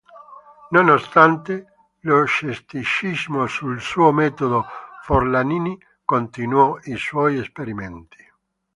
Nonostante lo scetticismo sul suo metodo Forlanini continuò i suoi esperimenti.